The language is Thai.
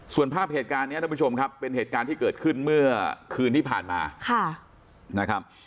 ส่วนภาพเหตุการณ์นี้ท่านผู้ชมครับเป็นเหตุการณ์ที่เกิดขึ้นเมื่อคืนที่ผ่านมานะครับ